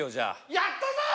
やったぞい！